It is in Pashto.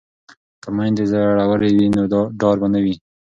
که میندې زړورې وي نو ډار به نه وي.